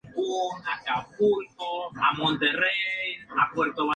Estaban compuestas por tres alcaldes y regidores.